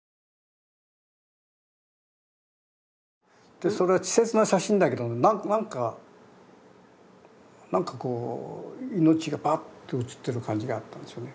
でそれは稚拙な写真だけど何か何かこう命がバッと写ってる感じがあったんですよね。